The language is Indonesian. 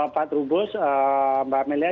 pak trubus mbak amelia